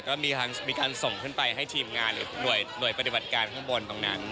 ก็มีการส่งขึ้นไปให้ทีมงานหรือหน่วยปฏิบัติการข้างบนตรงนั้น